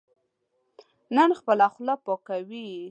نن خپله خوله پاکوي.